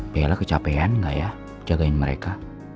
biarlah kecapean gak ya jagain mereka